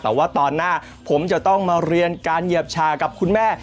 แต่ว่าตอนหน้าผมจะต้องมาเรียนการเหยียบชากับคุณแม่